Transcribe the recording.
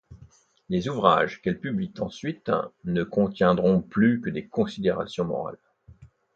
Les ouvrages qu'elle publie ensuite ne contiendront plus que des considérations morales.